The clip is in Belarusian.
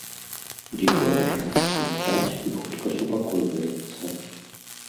Дзіцё пачынае смактаць і хутка супакойваецца.